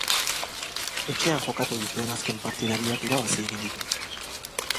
Etxean jokatu dituen azken partida biak irabazi egin ditu.